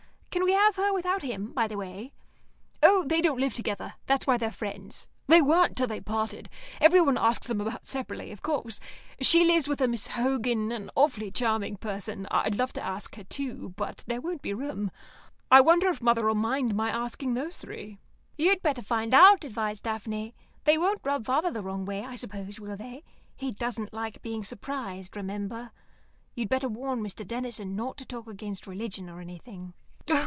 Can we have her without him, by the way?" "Oh, they don't live together. That's why they're friends. They weren't till they parted. Everyone asks them about separately of course. She lives with a Miss Hogan, an awfully charming person. I'd love to ask her, too, but there wouldn't be room. I wonder if mother'll mind my asking those three?" "You'd better find out," advised Daphne. "They won't rub father the wrong way, I suppose, will they? He doesn't like being surprised, remember. You'd better warn Mr. Denison not to talk against religion or anything."